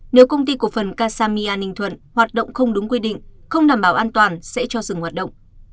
nếu công ty cổ phần kasamia ninh thuận hoạt động không đúng quy định không đảm bảo an toàn sẽ cho dừng hoạt động